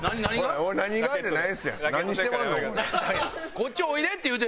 「こっちおいで」って言うて。